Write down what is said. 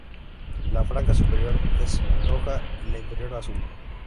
La franja superior es roja, y la inferior azul.